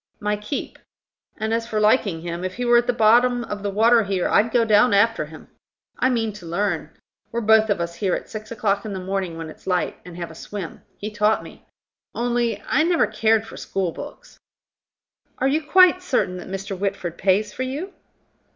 "My keep. And, as for liking him, if he were at the bottom of the water here, I'd go down after him. I mean to learn. We're both of us here at six o'clock in the morning, when it's light, and have a swim. He taught me. Only, I never cared for schoolbooks." "Are you quite certain that Mr. Whitford pays for you."